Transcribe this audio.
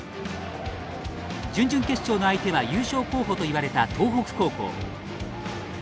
準々決勝の相手は優勝候補といわれた東北高校。